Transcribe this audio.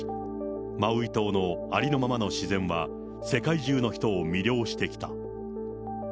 マウイ島のありのままの自然は、世界中の人を魅了してきた。